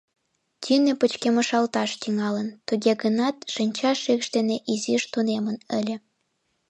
Тӱнӧ пычкемышалташ тӱҥалын, туге гынат, шинча шикш дене изиш тунемын ыле.